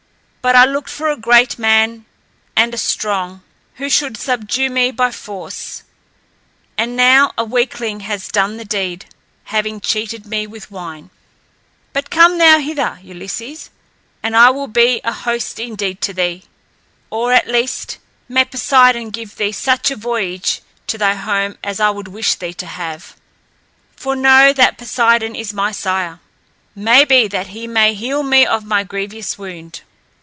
But I looked for a great man and a strong, who should subdue me by force, and now a weakling has done the deed, having cheated me with wine. But come thou hither, Ulysses, and I will be a host indeed to thee. Or, at least, may Poseidon give thee such a voyage to thy home as I would wish thee to have. For know that Poseidon is my sire. May be that he may heal me of my grievous wound."